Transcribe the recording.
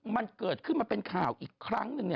มันเกิดขึ้นมันเป็นข่าวอีกครั้งหนึ่ง